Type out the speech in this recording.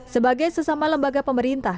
sebagai sesama lembaga pemerintah